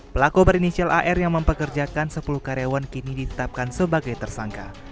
pelaku berinisial ar yang mempekerjakan sepuluh karyawan kini ditetapkan sebagai tersangka